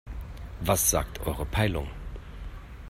Was sagt eure Peilung?